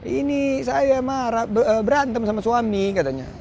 ini saya mah berantem sama suami katanya